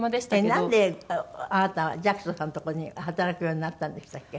なんであなたは寂聴さんのとこに働くようになったんでしたっけ？